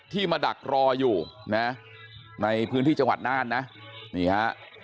มาดักรออยู่นะในพื้นที่จังหวัดน่านนะนี่ฮะ